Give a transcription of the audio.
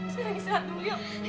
sayang istirahat dulu yuk